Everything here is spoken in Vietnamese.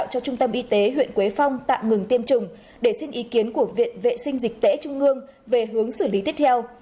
cho trung tâm y tế huyện quế phong tạm ngừng tiêm chủng để xin ý kiến của viện vệ sinh dịch tễ trung ương về hướng xử lý tiếp theo